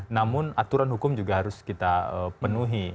namun aturan hukum juga harus kita penuhi